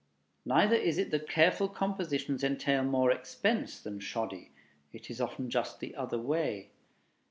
Neither is it that careful compositions entail more expense than "shoddy." It is often just the other way.